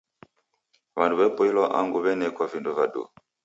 W'andu w'apoilwa angu w'anekwa vindo va duu.